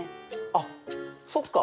あっそっか。